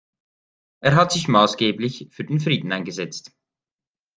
Er hat sich maßgeblich für den Frieden eingesetzt.